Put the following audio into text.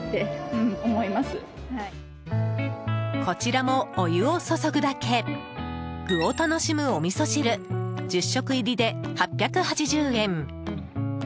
こちらもお湯を注ぐだけ具を楽しむおみそ汁１０食入りで８８０円。